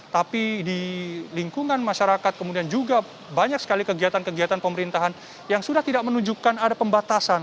tapi di lingkungan masyarakat kemudian juga banyak sekali kegiatan kegiatan pemerintahan yang sudah tidak menunjukkan ada pembatasan